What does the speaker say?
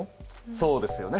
そうですよね。